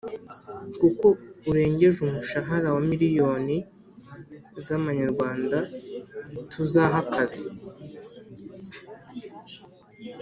Kuko urengeje umushahara wa miliyoni Frw tuzaha akazi